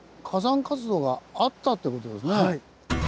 はい。